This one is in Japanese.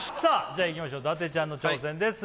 じゃあいきましょう伊達ちゃんの挑戦です